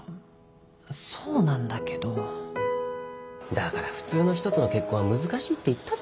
だから普通の人との結婚は難しいって言っただろ。